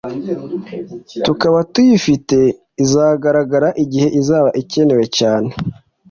tukaba tuyifite izagaragara igihe izaba ikenewe cyane.